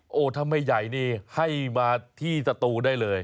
โอ้โหถ้าไม่ใหญ่นี่ให้มาที่สตูได้เลย